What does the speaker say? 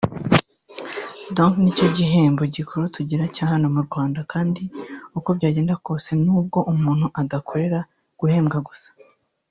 donc nicyo gihembo gikuru tugira cya hano mu Rwanda kandi uko byagenda kose nubwo umuntu adakorera guhembwa gusa